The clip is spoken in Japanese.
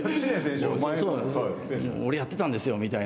俺やってたんですよみたいな。